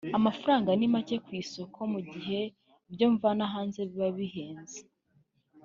amafaranga ni make ku isoko mu gihe ibyo mvana hanze biba bihenze